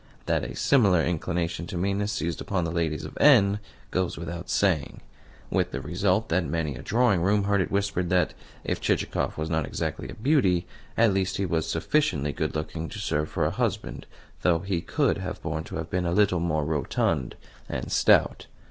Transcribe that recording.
That a similar inclination to meanness seized upon the ladies of N. goes without saying; with the result that many a drawing room heard it whispered that, if Chichikov was not exactly a beauty, at least he was sufficiently good looking to serve for a husband, though he could have borne to have been a little more rotund and stout.